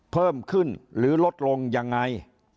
เพิ่มขึ้นหรือลดลงยังไง